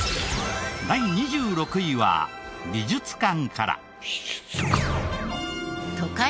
第２６位は美術館から。